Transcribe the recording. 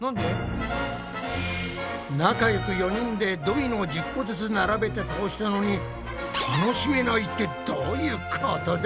仲よく４人でドミノを１０個ずつ並べて倒したのに楽しめないってどういうことだ？